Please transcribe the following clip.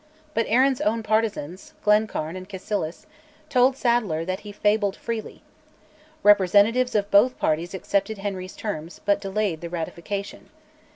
But Arran's own partisans, Glencairn and Cassilis, told Sadleyr that he fabled freely. Representatives of both parties accepted Henry's terms, but delayed the ratification.